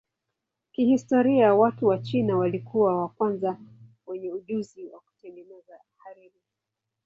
Kihistoria watu wa China walikuwa wa kwanza wenye ujuzi wa kutengeneza hariri.